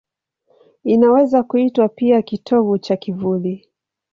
Inaweza kuitwa pia kitovu cha kivuli.